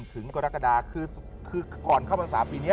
ถึงกรกฎาคือก่อนเข้ามา๓ปีนี้